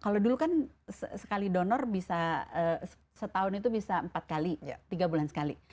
kalau dulu kan sekali donor bisa setahun itu bisa empat kali tiga bulan sekali